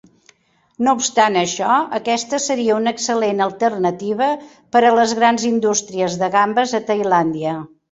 No obstant això, aquesta seria una excel·lent alternativa per a les grans indústries de gambes a Tailàndia.